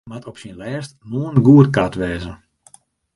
De begrutting moat op syn lêst moarn goedkard wêze.